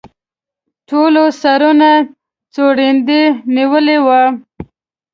ټولو سرونه ځوړند نیولي وو.